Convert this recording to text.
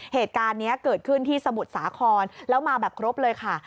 เหตุการณ์นี้เกิดขึ้นที่สมุทรสาครแล้วมาแบบครบเลยค่ะ